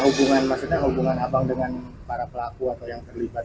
waktu pas kejadian itu ada hubungan hubungan abang dengan para pelaku atau yang terlibat